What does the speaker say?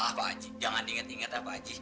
ah pak haji jangan diinget inget ya pak haji